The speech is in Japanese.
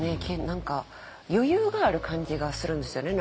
何か余裕がある感じがするんですよね。